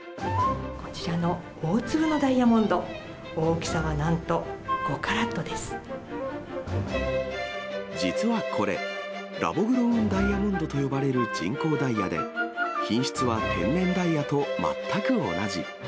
こちらの大粒のダイヤモンド、実はこれ、ラボグロウン・ダイヤモンドと呼ばれる人工ダイヤで、品質は天然ダイヤと全く同じ。